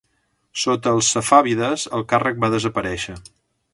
Sota els safàvides el càrrec va desaparèixer.